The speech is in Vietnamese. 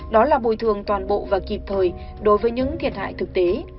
đó là bồi thường toàn bộ và kịp thời đối với những thiệt hại thực tế